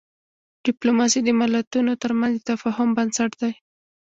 ډیپلوماسي د ملتونو ترمنځ د تفاهم بنسټ دی.